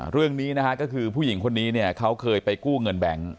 เรื่องนี้นะฮะก็คือผู้หญิงคนนี้เนี่ยเขาเคยไปกู้เงินแบงค์